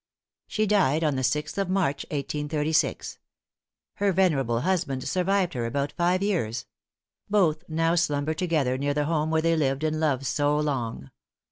She died on the sixth of March, 1836. Her venerable husband survived her about five years. Both now slumber together near the home where they lived and loved so long.